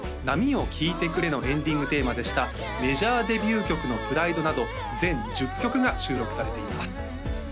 「波よ聞いてくれ」のエンディングテーマでしたメジャーデビュー曲の「Ｐｒｉｄｅ」など全１０曲が収録されています